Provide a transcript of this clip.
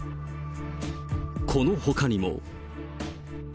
このほかにも。